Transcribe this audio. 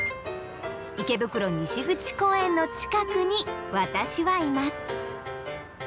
池袋西口公園の近くに私はいます。